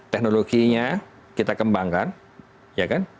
teknologinya kita kembangkan ya kan